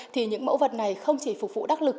thì những mẫu vật này không chỉ phục vụ đắc lực